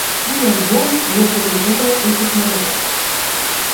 Міні-альбом було презентовано у соцмережах